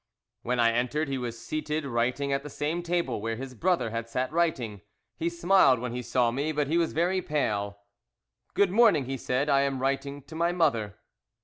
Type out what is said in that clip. When I entered, he was seated writing at the same table, where his brother had sat writing. He smiled when he saw me, but he was very pale. "Good morning," he said, "I am writing to my mother."